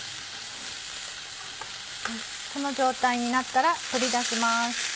この状態になったら取り出します。